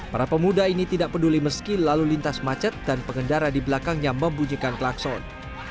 para pemuda ini tidak peduli meski lalu lintas macet dan pengendara di belakangnya membunyikan klakson